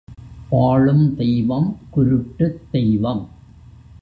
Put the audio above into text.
பாழுந்தெய்வம் குருட்டுத் தெய்வம்!